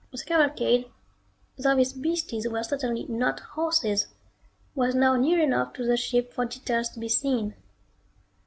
The cavalcade though these beasties were certainly not horses was now near enough to the ship for details to be seen.